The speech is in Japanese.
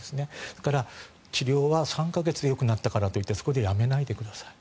だから、治療は３か月でよくなったからといってそこでやめないでください。